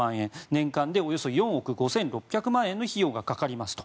年間でおよそ４億５６００万円の費用がかかりますと。